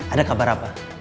ada kabar apa